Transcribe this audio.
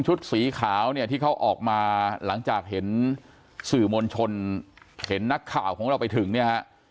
สีขาวเนี่ยที่เขาออกมาหลังจากเห็นสื่อมวลชนเห็นนักข่าวของเราไปถึงเนี่ยฮะ